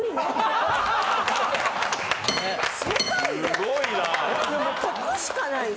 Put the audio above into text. すごいな。